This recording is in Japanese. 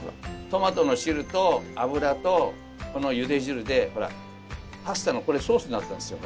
トマトの汁と油とこのゆで汁でほらパスタのソースになったんですよ。